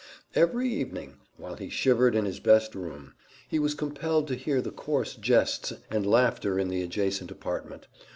Every evening, while he shivered in his best room, he was compelled to hear the coarse jests and laughter in the adjacent apartment.